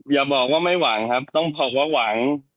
อย่าบอกว่าไม่หวังครับต้องบอกว่าหวัง